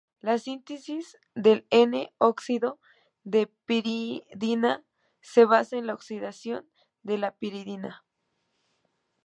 La síntesis del "N"-óxido de piridina se basa en la oxidación de la piridina.